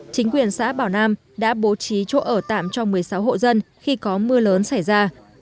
chính quyền xã bảo nam đã bố trí chỗ ở tạm cho một mươi sáu hộ dân khi có mưa lớn xảy ra